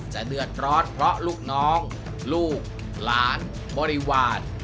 เดือดร้อนเพราะลูกน้องลูกหลานบริวาร